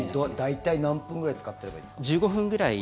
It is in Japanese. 大体、何分ぐらいつかってればいいんですか？